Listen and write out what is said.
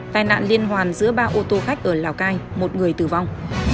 tai nạn liên hoàn giữa ba ô tô khách ở lào cai một người tử vong